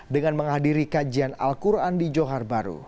dengan menghadiri kajian al quran di johar baru